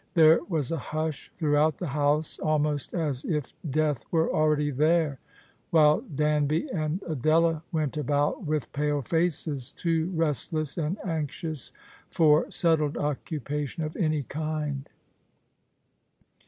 There was a hush throughout the house, almost as if death were already there ; while Danby and Adela went about with pale faces, too restless and anxious for settled occuj)ation of any kind.